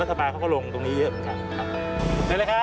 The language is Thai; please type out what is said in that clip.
มีร้านขายของอะไรอย่างนี้คุณภาพน้ำก็ดีถ้าเราเห็นปลา